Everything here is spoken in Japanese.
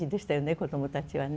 こどもたちはね。